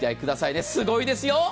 すごいですよ。